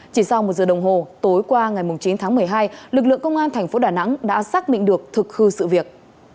chỉ sau một giờ đồng hồ tối qua ngày chín tháng một mươi hai lực lượng công an thành phố đà nẵng đã xác định được thực hư sự việc